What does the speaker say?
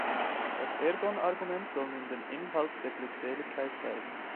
Das Ergon-Argument soll nun den Inhalt der Glückseligkeit zeigen.